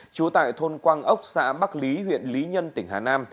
trú tại thôn quang ốc xã bắc lý huyện lý nhân tỉnh hà nam